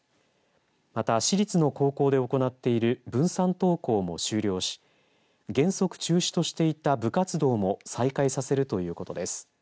また、市立の高校で行っている分散登校も終了し原則中止としていた部活動も再開させるということです。